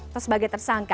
atau sebagai tersangka